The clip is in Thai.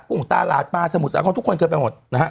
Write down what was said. บุหรุงตลาดมาร์ทสมุซาของทุกคนเกิดไปหมด